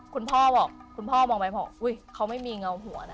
คุณพ่อบอกคุณพ่อมองไปบอกอุ๊ยเขาไม่มีเงาหัวนะ